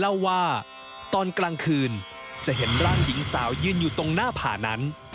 เล่าว่าตอนกลางคืนจะเห็นร่างหญิงสาวยืนอยู่ตรงหน้าผ่านั้น